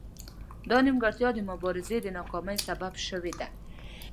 دا نیمګړتیا د مبارزې د ناکامۍ سبب شوې ده